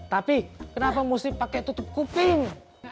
tapi kenapa mesti pakai tutup kuping